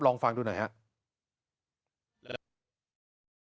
ลองฟังดูหน่อยครับ